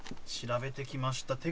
調べてきました。